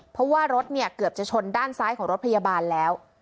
เพราะว่ารถเนี่ยเกือบจะชนด้านซ้ายของรถพยาบาลแล้ว